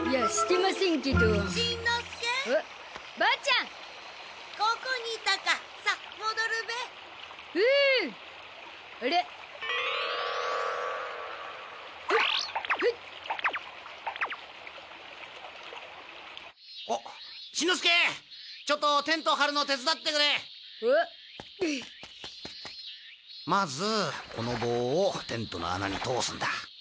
まずこの棒をテントの穴に通すんだ。